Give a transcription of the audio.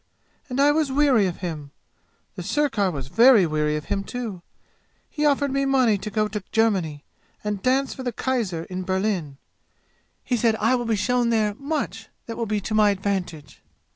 And I was weary of him. The sirkar was very weary of him too. He offered me money to go to Germany and dance for the kaiser in Berlin. He said I will be shown there much that will be to my advantage.